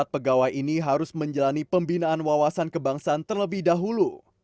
empat pegawai ini harus menjalani pembinaan wawasan kebangsaan terlebih dahulu